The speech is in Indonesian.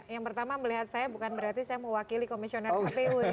yang pertama melihat saya bukan berarti saya mewakili komisioner kpu ya